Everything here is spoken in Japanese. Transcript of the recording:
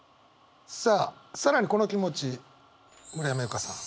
さあ更にこの気持ち村山由佳さん